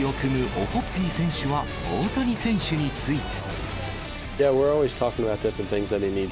オホッピー選手は大谷選手について。